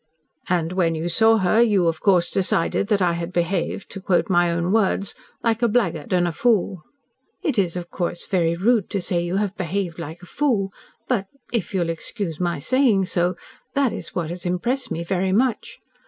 "And when you saw her, you, of course, decided that I had behaved, to quote my own words like a blackguard and a fool." "It is, of course, very rude to say you have behaved like a fool, but if you'll excuse my saying so that is what has impressed me very much.